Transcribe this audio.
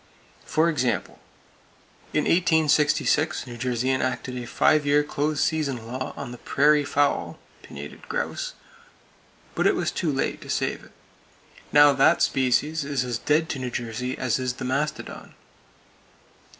For example: In 1866 New Jersey enacted a five year close season law on the "prairie fowl" (pinnated grouse); but it was too late to save it. Now that species is as dead to New Jersey as is the mastodon.